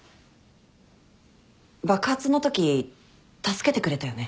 爆発のとき助けてくれたよね？